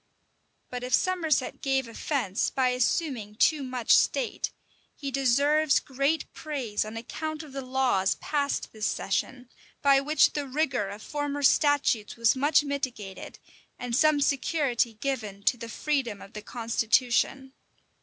[*] But if Somerset gave offence by assuming too much state, he deserves great praise on account of the laws passed this session, by which the rigor of former statutes was much mitigated, and some security given to the freedom of the constitution.